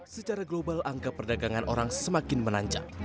secara global angka perdagangan orang semakin menanjak